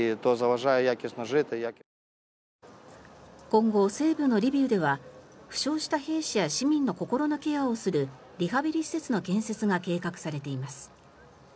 今後、西部のリビウでは負傷した兵士や市民の心のケアをするリハビリ施設の建設が計画されています。